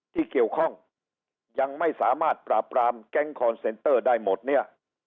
ที่เกี่ยวข้องยังไม่สามารถปราบปรามแก๊งคอนเซนเตอร์ได้หมดเนี่ย